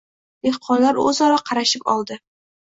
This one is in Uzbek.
Dehqonlar o‘zaro qarashib oldi.